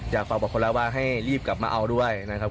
อยากฝากบอกคนแล้วว่าให้รีบกลับมาเอาด้วยนะครับ